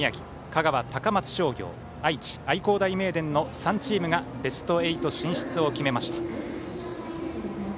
香川、高松商業愛知、愛工大名電の３チームがベスト８進出を決めました。